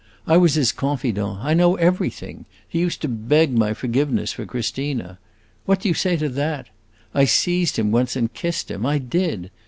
I was his confidant; I know everything. He used to beg my forgiveness for Christina. What do you say to that? I seized him once and kissed him, I did!